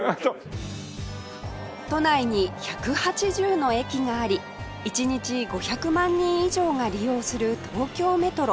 都内に１８０の駅があり１日５００万人以上が利用する東京メトロ